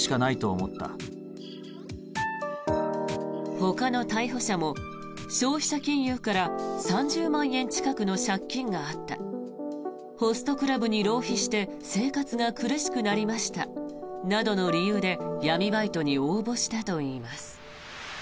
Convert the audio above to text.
ほかの逮捕者も消費者金融から３０万円近くの借金があったホストクラブに浪費して生活が苦しくなりましたなどの理由で闇バイトに応募したといいます。